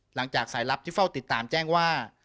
หลังจากสายลับที่เฝ้าติดตามแจ้งว่า